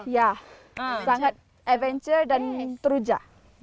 ya sangat adventure dan terujah